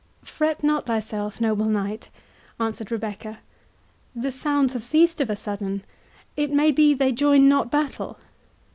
"Fret not thyself, noble knight," answered Rebecca, "the sounds have ceased of a sudden—it may be they join not battle."